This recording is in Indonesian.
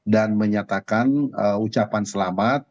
dan menyatakan ucapan selamat